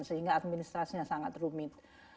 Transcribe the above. sehingga administrasinya sangat rumit